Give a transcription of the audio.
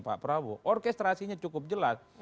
pak prabowo orkestrasinya cukup jelas